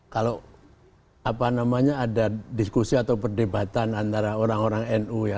kalau apa namanya ada diskusi atau perdebatan antara orang orang nu ya